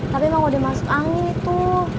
tapi emang udah masuk angin tuh